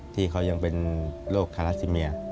ที่เขายังเป็นโรคทาราซิเมีย